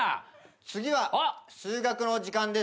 次は数学の時間です。